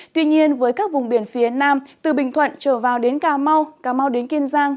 tuy nhiên với các vùng biển phía nam từ bình thuận trở vào đến cà mau cà mau đến kiên giang